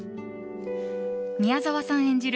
宮沢さん演じる